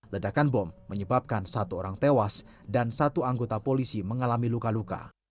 ledakan bom menyebabkan satu orang tewas dan satu anggota polisi mengalami luka luka